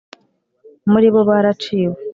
muri bo baraciwe.